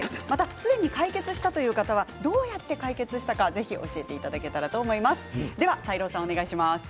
すでに解決したという方はどう解決したか教えていただけたらと思います。